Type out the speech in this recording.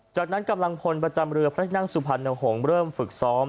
จากนั้นกำลังพลประจำเรือพระที่นั่งสุพรรณหงษ์เริ่มฝึกซ้อม